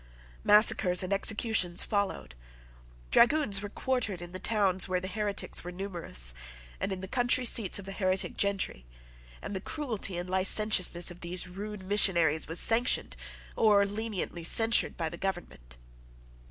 Massacres and executions followed. Dragoons were quartered in the towns where the heretics were numerous, and in the country seats of the heretic gentry; and the cruelty and licentiousness of these rude missionaries was sanctioned or leniently censured by the government.